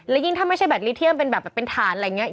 และยิ่งถ้าไม่ใช่แบตลิเทียมเป็นแบบเป็นฐานอะไรอย่างนี้